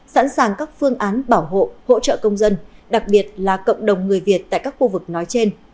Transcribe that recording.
sẵn sàng các phương án bảo hộ hỗ trợ công dân đặc biệt là cộng đồng người việt tại các khu vực nói trên